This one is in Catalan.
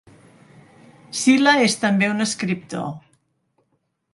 Sila és també un escriptor.